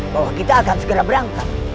bahwa kita akan segera berangkat